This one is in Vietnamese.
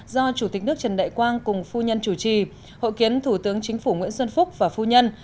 do chủ tịch nước trần đại quang cùng phu nhân chủ trì hội kiến thủ tướng chính phủ nguyễn xuân phúc và phu nhân